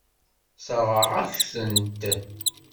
Sseṛɣeɣ-aken-tent.